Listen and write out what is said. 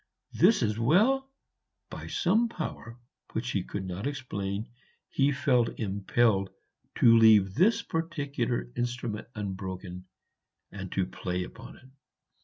this as well?" By some power, which he could not explain, he felt impelled to leave this particular instrument unbroken, and to play upon it.